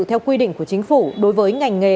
theo quy định của chính phủ đối với ngành nghề